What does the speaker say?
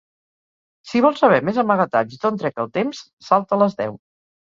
Si vols saber més amagatalls d'on trec el temps, salta a les deu.